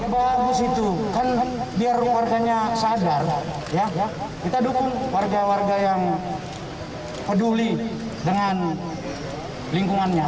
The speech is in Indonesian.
biar warganya sadar kita dukung warga warga yang peduli dengan lingkungannya